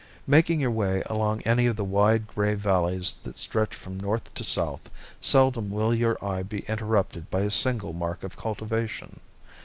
Making your way along any of the wide gray valleys that stretch from north to south, seldom will your eye be interrupted by a single mark of cultivation.